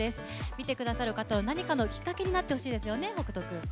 見てくださる方の何かのきっかけになってほしいですよね、北斗君。